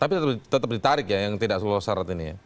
tetap ditarik yang tidak selalu syarat ini